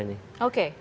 oke kalau menurut anda